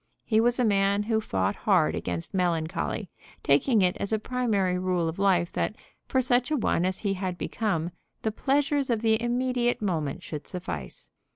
He was a man who fought hard against melancholy, taking it as a primary rule of life that, for such a one as he had become, the pleasures of the immediate moment should suffice.